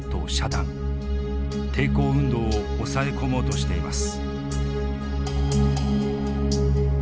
抵抗運動を抑え込もうとしています。